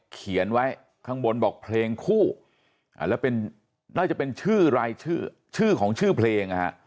เขียนไว้ข้างบนบอกเพลงคู่แล้วเป็นน่าจะเป็นชื่อรายชื่อชื่อของชื่อเพลงนะฮะ